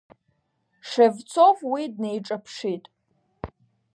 Шевцов уи днеиҿаԥшит.